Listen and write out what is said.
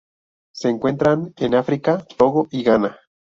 Se encuentran en África: Togo y Ghana.